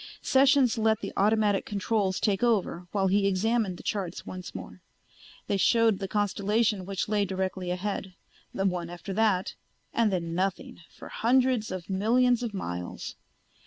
Sessions let the automatic controls take over while he examined the charts once more. They showed the constellation which lay directly ahead, the one after that, and then nothing for hundreds of millions of miles.